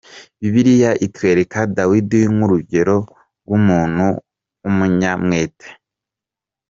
Bibiliya itwereka Dawidi nk'urugero rw'umuntu w'umunyamwete.